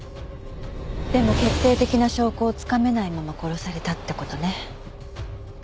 でも決定的な証拠をつかめないまま殺されたって事ね。